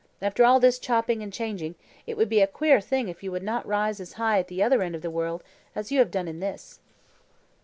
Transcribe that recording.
After all this chopping and changing, it would be a queer thing if you would not rise as high at the other end of the world as you have done in this."